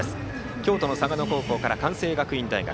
京都の嵯峨野高校から関西学院大学。